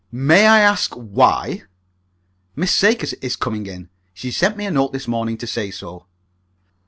"May I ask why?" "Miss Sakers is coming in. She sent me a note this morning to say so."